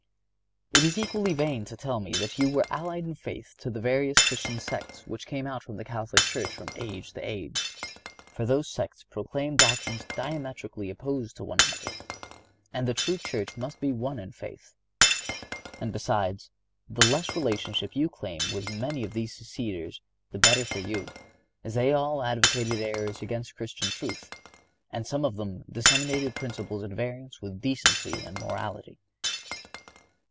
It is equally in vain to tell me that you were allied in faith to the various Christian sects that went out from the Catholic Church from age to age; for these sects proclaimed doctrines diametrically opposed to one another, and the true Church must be one in faith. And besides, the less relationship you claim with many of these seceders the better for you, as they all advocated errors against Christian truth, and some of them disseminated principles at variance with decency and morality.